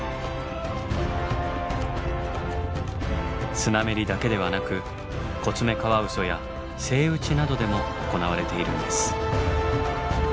スナメリだけではなくコツメカワウソやセイウチなどでも行われているんです。